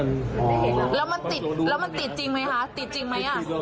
ไม่เห็นแล้วแล้วมันติดจริงไหมคะติดจริงไหม